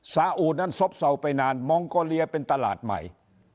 สาอูนั้นซบเศร้าไปนานมองโกเลียเป็นตลาดใหม่